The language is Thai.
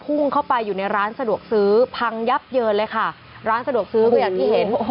พุ่งเข้าไปอยู่ในร้านสะดวกซื้อพังยับเยินเลยค่ะร้านสะดวกซื้อก็อย่างที่เห็น